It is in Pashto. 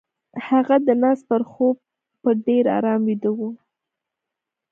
هغه د ناز پر خوب په ډېر آرام ويده وه.